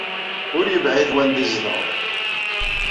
Ur yebɛid wanda ay zedɣeɣ.